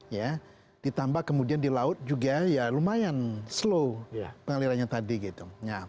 ya ditambah kemudian di laut juga ya lumayan slow pengalirannya tadi gitu